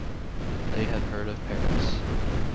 They had heard of Paris.